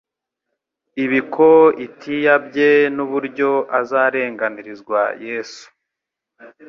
ibikoitiya bye n'uburyo azarenganirizwa Yesu,